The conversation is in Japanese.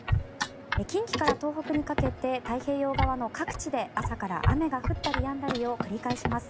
近畿から東北にかけて太平洋側の各地で朝から雨が降ったりやんだりを繰り返します。